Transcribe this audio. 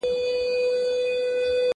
زه به سبا موسيقي اورم!!